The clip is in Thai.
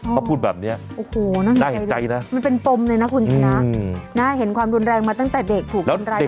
พอพูดแบบเนี้ยโอ้โหน่าเห็นใจเลยน่าเห็นใจนะมันเป็นปมเลยนะคุณที่นะอืมน่าเห็นความดนแรงมาตั้งแต่เด็กถูกกันร้ายตั้งแต่เด็ก